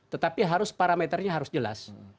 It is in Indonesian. tetapi harus parameternya harus jelas